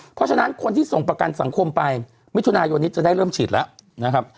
เพราะฉะนั้นคนที่ส่งประกันสังคมไปมิถุนายนนี้จะได้เริ่มฉีดแล้วนะครับ